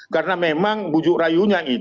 karena memang bujuk rayunya ojo ojo ojo